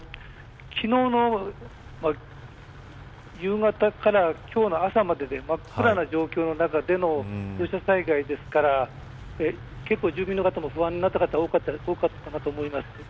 昨日の夕方から朝までで真っ暗な状況の中での土砂災害ですから結構住民の方も不安になった方多かったと思います。